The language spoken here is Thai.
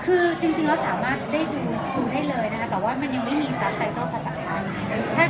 คือจริงเราสามารถได้ดูคุณให้เลยนะครับแต่ว่ามันยังไม่มีซัพใส่โต้ศาสตร์กลาง